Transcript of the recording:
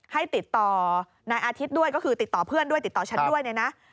ให้ติดต่อนายอาทิตย์ด้วยก็คือติดต่อเพื่อนด้วยติดต่อฉันด้วยเนี่ยนะ